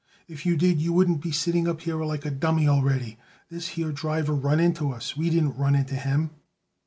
"If you did you wouldn't be sitting up there like a dummy already. This here driver run into us. We didn't run into him."